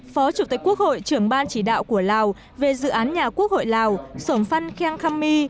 phó chủ tịch quốc hội trưởng ban chỉ đạo của lào về dự án nhà quốc hội lào sổm văn venkhammi